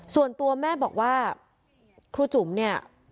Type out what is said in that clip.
ส่วนตัวแม่บอกว่าครูจุ๋มเนี่ย